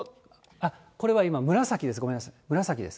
これは今、紫です。